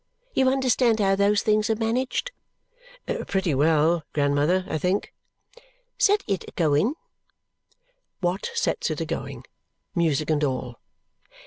You understand how those things are managed?" "Pretty well, grandmother, I think." "Set it a going." Watt sets it a going music and all.